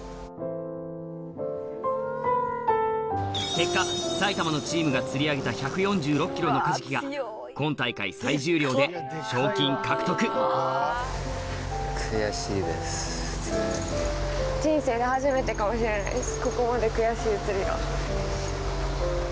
結果埼玉のチームが釣り上げた１４６ｋｇのカジキが今大会最重量で賞金獲得かもしれないです。